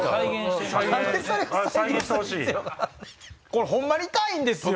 これホンマに痛いんですよ。